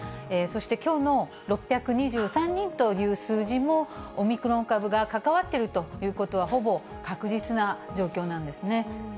そしてきょうの６２３人という数字も、オミクロン株が関わっているということは、ほぼ確実な状況なんですね。